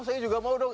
saya juga mau dong